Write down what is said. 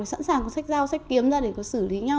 sẵn sàng có sách giao sách kiếm ra để có xử lý nhau